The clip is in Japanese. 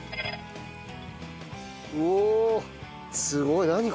すごい。何？